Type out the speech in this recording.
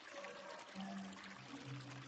katika hali kama hii hukosa kubainishwa Ugonjwa huo